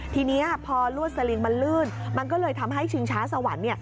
ทีนี้พอลวดสลิงมันลื่นมันก็เลยทำให้ชิงช้าสวรรค์